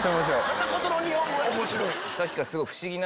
片言の日本語が面白い。